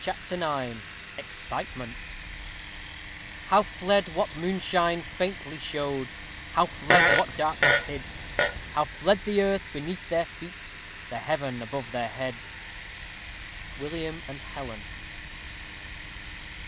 CHAPTER IX EXCITEMENT How fled what moonshine faintly showed! How fled what darkness hid! How fled the earth beneath their feet, The heaven above their head. _William and Helen.